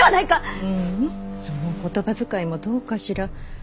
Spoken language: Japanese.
その言葉遣いもどうかしら。